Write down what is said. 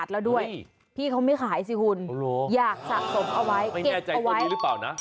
ต้นนี้แหละ